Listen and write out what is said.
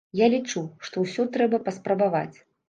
Я лічу, што ўсё трэба паспрабаваць.